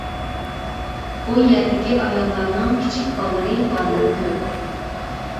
ئۇ يەردىكى ئاياللارنىڭ كىچىك باللىرى بارلىرى كۆپ.